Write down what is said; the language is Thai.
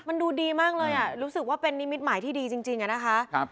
มันดูดีมากเลยอ่ะรู้สึกว่าเป็นนิมิตหมายที่ดีจริงอะนะคะ